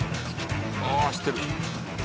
ああ走ってる。